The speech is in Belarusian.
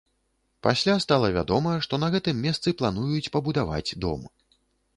Пасля стала вядома, што на гэтым месцы плануюць пабудаваць дом.